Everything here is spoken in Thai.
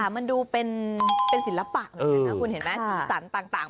มันดูเป็นศิลปะเหมือนกันนะเพราะสินสรรค์ต่าง